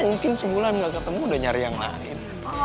mungkin sebulan gak ketemu udah nyari yang lain